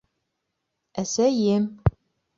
Әсәйем